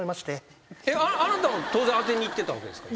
あなたも当然当てにいってたわけですか？